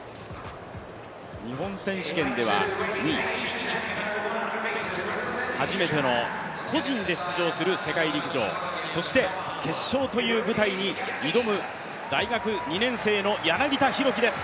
日本選手権では２位、初めての個人で出場する世界陸上、そして決勝という舞台に挑む大学２年生の柳田大輝です。